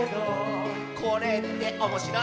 「これっておもしろいんだね」